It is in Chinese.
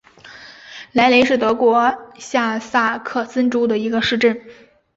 莱雷是德国下萨克森州的一个市镇。